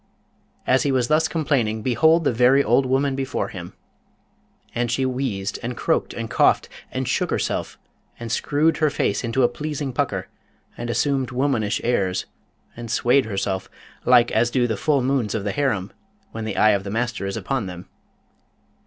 As he was thus complaining, behold the very old woman before him! And she wheezed, and croaked, and coughed, and shook herself, and screwed her face into a pleasing pucker, and assumed womanish airs, and swayed herself, like as do the full moons of the harem when the eye of the master is upon them.